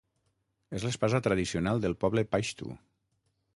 És l'espasa tradicional del poble paixtu.